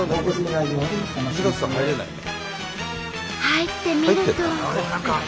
入ってみると。